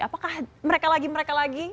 apakah mereka lagi mereka lagi